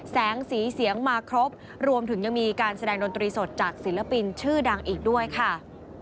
แสงสีเสียงมาครบรวมถึงยังมีการแสดงดนตรีสดจากศิลปินชื่อดังอีกด้วยค่ะ